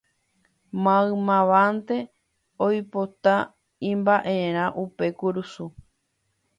Maymávante oipota imba'erã upe kurusu